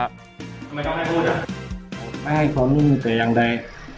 ไม่ให้ความร่วมมือจะยังได้